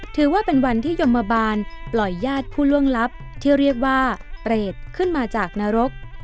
ถือว่าเป็นวันที่ยมบาลปล่อยญาติผู้ล่วงลับที่เรียกว่าเปรตขึ้นมาจากนรก